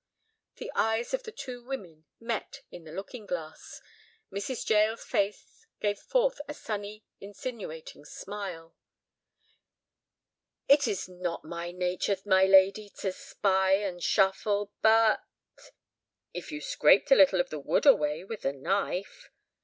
The eyes of the two women met in the looking glass. Mrs. Jael's face gave forth a sunny, insinuating smile. "It is not my nature, my lady, to spy and shuffle, but—" "If you scraped a little of the wood away with a knife?"